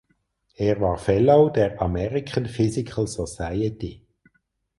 Er war Fellow der American Physical Society.